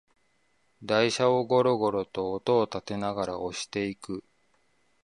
台車をゴロゴロと音をたてながら押していく